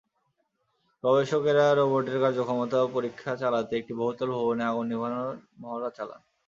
গবেষকেরা রোবটের কার্যক্ষমতা পরীক্ষা চালাতে একটি বহুতল ভবনে আগুন নেভানোর মহড়া চালান।